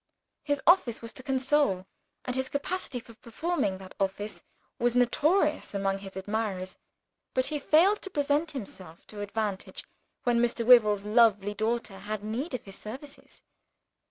His office was to console, and his capacity for performing that office was notorious among his admirers; but he failed to present himself to advantage, when Mr. Wyvil's lovely daughter had need of his services.